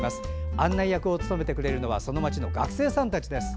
案内役を務めてくれるのはその街の学生さんたちです。